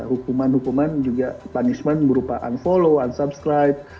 hukuman hukuman juga punishment berupa unfollow unsubscribe